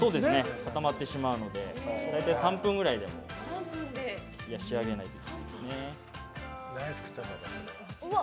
固まってしまうので大体３分ぐらいで仕上げます。